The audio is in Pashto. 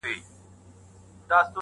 پسرلي به وي شیندلي سره ګلونه٫